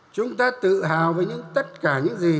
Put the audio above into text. chúng ta tự hào với tất cả những gì